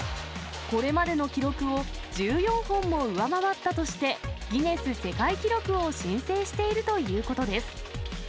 これまでの記録を１４本も上回ったとして、ギネス世界記録を申請しているということです。